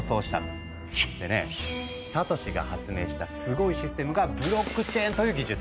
でねサトシが発明したすごいシステムが「ブロックチェーン」という技術。